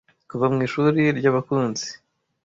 kuva mu ishuri ryabakunzi